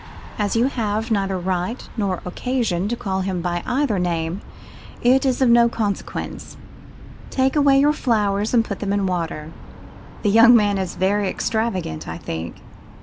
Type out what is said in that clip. "As you have neither right nor occasion to call him by either name, it is of no consequence Take away your flowers and put them in water the young man is very extravagant, I think.